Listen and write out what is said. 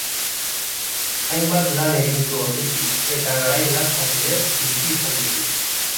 Hainbat lan egin ditu ordutik eta garai latzak ere bizi izan ditu.